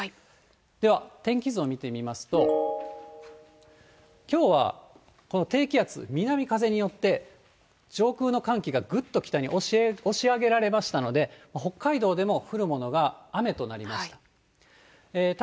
では天気図を見てみますと、きょうは、この低気圧、南風によって上空の寒気がぐっと北に押し上げられましたので、北海道でも降るものが雨となりました。